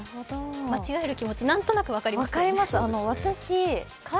間違える気持ち、なんとなく分かります。